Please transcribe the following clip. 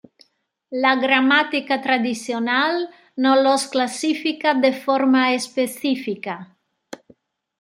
La gramática tradicional no los clasifica de forma específica.